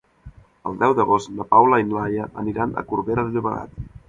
El deu d'agost na Paula i na Laia aniran a Corbera de Llobregat.